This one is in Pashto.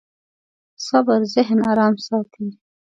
صبر ذهن ارام ساتي.